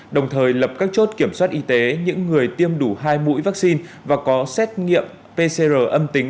đồng thời lập các chốt kiểm soát y tế những người tiêm đủ hai mũi vaccine và có xét nghiệm pcr âm tính